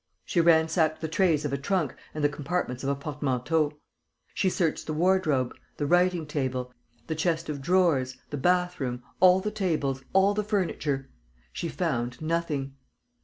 She ransacked the trays of a trunk and the compartments of a portmanteau. She searched the wardrobe, the writing table, the chest of drawers, the bathroom, all the tables, all the furniture. She found nothing.